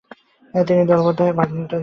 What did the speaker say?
তিনি দলবদ্ধ হয়ে আড্ডা দিতেন।